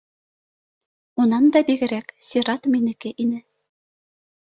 Унан да бигерәк, сират минеке ине